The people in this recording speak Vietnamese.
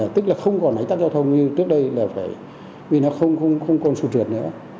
tức là không còn ách tắc giao thông như trước đây là phải vì nó không còn sung trượt nữa